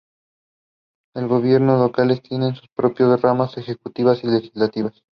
Los gobiernos locales tienen sus propios ramas ejecutivas y legislativas.